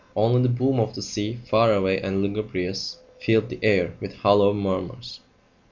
Only the boom of the sea, far away and lugubrious, filled the air with hollow murmurs.